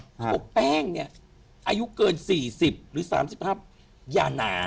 พวกแป้งเนี่ยอายุเกิน๔๐หรือ๓๕อย่าหนา